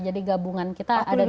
jadi gabungan kita ada